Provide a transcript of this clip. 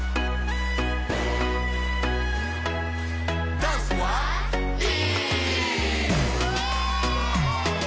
ダンスはＥ！